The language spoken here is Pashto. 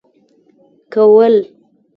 كول.